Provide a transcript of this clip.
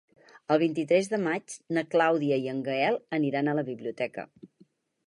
El vint-i-tres de maig na Clàudia i en Gaël aniran a la biblioteca.